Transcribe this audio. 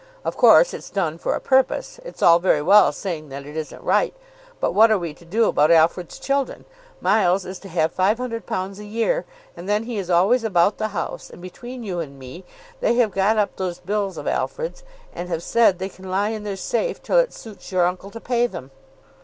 Of course it's done for a purpose. It's all very well saying that it isn't right, but what are we to do about Alfred's children? Miles is to have £500 a year. And then he is always about the house. And between you and me they have got up those bills of Alfred's, and have said they can lie in their safe till it suits your uncle to pay them."